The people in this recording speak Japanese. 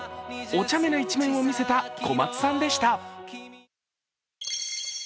お茶目な一面を見せた小松さんでした。